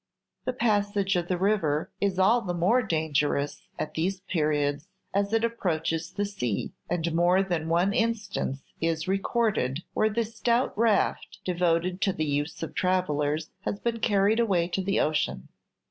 The passage of the river is all the more dangerous at these periods as it approaches the sea, and more than one instance is recorded where the stout raft, devoted to the use of travellers, has been carried away to the ocean.